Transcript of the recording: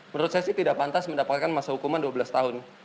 menurut saya sih tidak pantas mendapatkan masa hukuman dua belas tahun